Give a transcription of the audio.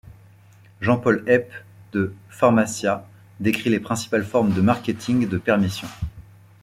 Jean-Paul Hepp, de Pharmacia, décrit les principales formes de marketing de permission.